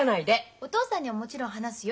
お父さんにはもちろん話すよ。